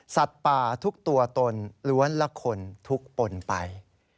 สัตว์ป่าทุกตัวตนล้วนละคนทุกปนไป